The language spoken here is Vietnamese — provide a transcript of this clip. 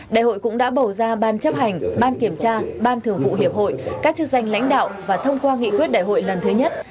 đại hội cũng đã bầu ra ban chấp hành ban kiểm tra ban thường vụ hiệp hội các chức danh lãnh đạo và thông qua nghị quyết đại hội lần thứ nhất